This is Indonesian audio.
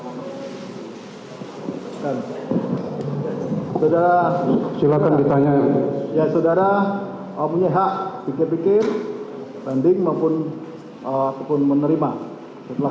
saudara saudara punya hak pikir pikir banding maupun menerima